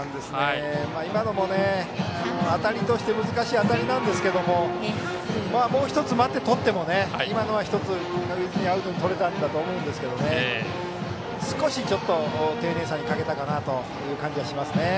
今のも当たりとして難しい当たりなんですけれどももう１つ待ってとっても今のは確実にアウトにとれたと思いますが少し丁寧さに欠けたかなという感じがしますね。